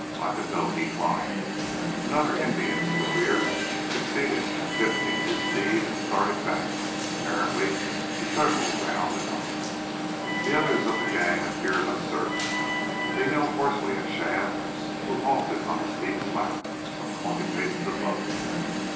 Like a goat he climbed. Another Indian in the rear succeeded in pivoting his steed and started back, apparently to circle round and up. The others of the gang appeared uncertain. They yelled hoarsely at Shadd, who halted on the steep slant some twenty paces above them.